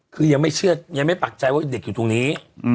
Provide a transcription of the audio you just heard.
คือยังไม่เชื่อยังไม่ปักใจว่าเด็กอยู่ตรงนี้